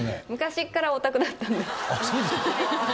あっそうですか。